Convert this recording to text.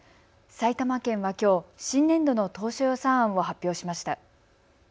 埼玉県はきょう、新年度の当初予算案を発表しました。